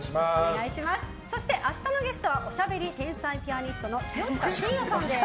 そして、明日のゲストはおしゃべり天才ピアニストの清塚信也さんです。